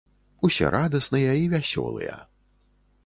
Усе радасныя і вясёлыя.